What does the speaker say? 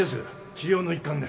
治療の一環で